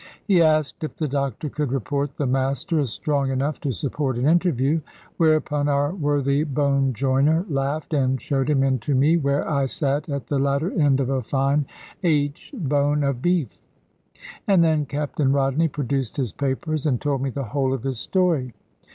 He asked if the doctor could report the Master as strong enough to support an interview; whereupon our worthy bone joiner laughed, and showed him into me where I sate at the latter end of a fine aitch bone of beef. And then Captain Rodney produced his papers, and told me the whole of his story.